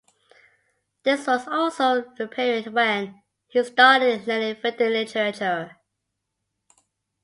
This was also the period when he started learning Vedic literature.